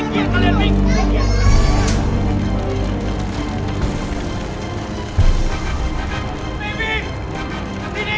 yang menyebabkan kebanggaran ini makbul